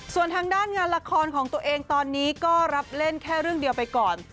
ส่วนทางด้านงานละครของตัวเองตอนนี้ก็รับเล่นแค่เรื่องเดียวไปก่อน